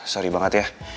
sorry banget ya